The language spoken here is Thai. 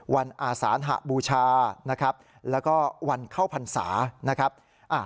วันอาสานหบูชาแล้วก็วันเข้าพรรษา